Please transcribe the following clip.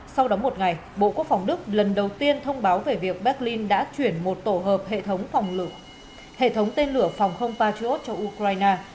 sau đó một ngày bộ quốc phòng đức lần đầu tiên thông báo về việc berlin đã chuyển một tổ hợp hệ thống hệ thống tên lửa phòng không patriot cho ukraine